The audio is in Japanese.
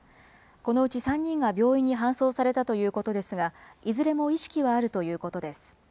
このうち３人が病院に搬送されたということですが、いずれも意識はあるということです。